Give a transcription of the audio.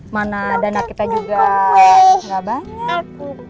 mana dana kita juga nggak banyak